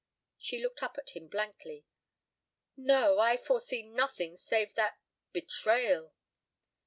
She looked up at him blankly. "No, I foresee nothing save that—betrayal."